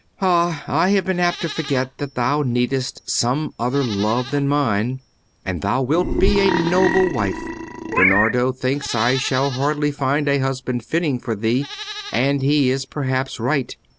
"Ah, I have been apt to forget that thou needest some other love than mine. And thou wilt be a noble wife. Bernardo thinks I shall hardly find a husband fitting for thee. And he is perhaps right.